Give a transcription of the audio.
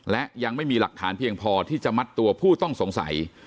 และยังไม่มีหลักฐานเพียงพอที่จะมัดตัวผู้ต้องสงสัย